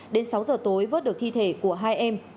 đến sáu giờ tối vớt được thi thể của hai em